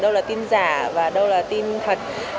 đâu là tin giả và đâu là tin thật